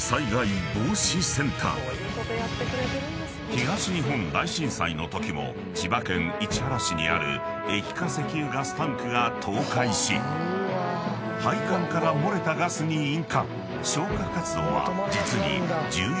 ［東日本大震災のときも千葉県市原市にある液化石油ガスタンクが倒壊し配管から漏れたガスに引火］